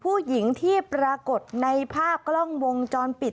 ผู้หญิงที่ปรากฏในภาพกล้องวงจรปิด